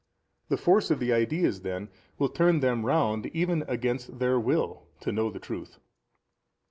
The force of the ideas then will turn them round even against their will to know the truth.